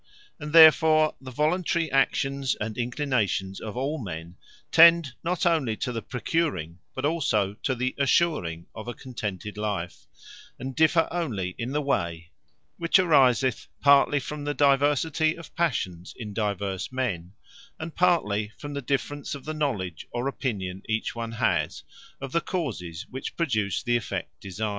And therefore the voluntary actions, and inclinations of all men, tend, not only to the procuring, but also to the assuring of a contented life; and differ onely in the way: which ariseth partly from the diversity of passions, in divers men; and partly from the difference of the knowledge, or opinion each one has of the causes, which produce the effect desired.